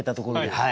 はい！